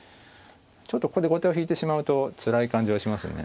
ちょっとここで後手を引いてしまうとつらい感じはしますね。